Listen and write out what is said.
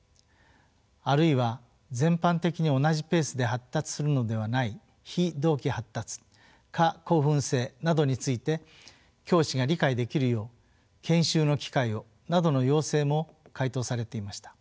あるいは全般的に同じペースで発達するのではない非同期発達過興奮性などについて教師が理解できるよう研修の機会をなどの要請も回答されていました。